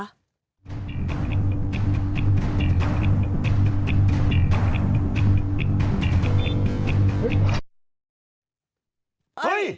เฮ้ย